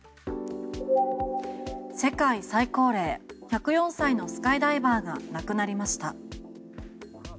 世界最高齢１０４歳のスカイダイバーが亡くなりました。